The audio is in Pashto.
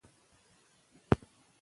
که تال وي نو موزیک نه بې نظمه کیږي.